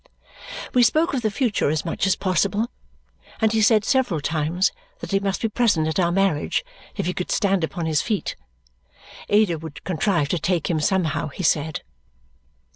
We spoke of the future as much as possible, and he said several times that he must be present at our marriage if he could stand upon his feet. Ada would contrive to take him, somehow, he said.